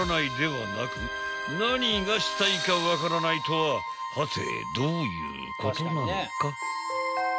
［ではなく何がしたいか分からないとははてどういうことなのか］